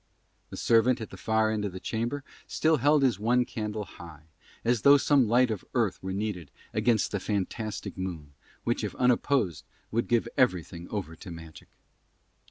The servant at the far end of the chamber still held his one candle high, as though some light of earth were needed against the fantastic moon, which if unopposed would give everything over to magic.